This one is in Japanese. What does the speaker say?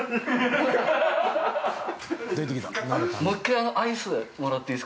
もう一回アイスもらっていいですか？